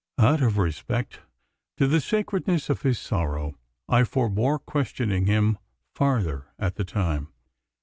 Out of respect to the sacredness of his sorrow, I forbore questioning him farther at the time.